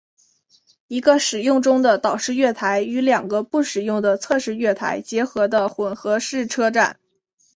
一个使用中的岛式月台与两个不使用的侧式月台结合的混合式车站。